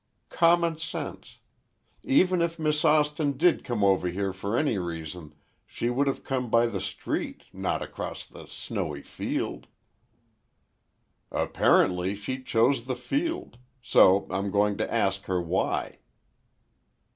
"Common sense. Even if Miss Austin did come over here for any reason she would have come by the street, not across the snowy field." "Apparently she chose the field. So I'm going to ask her why."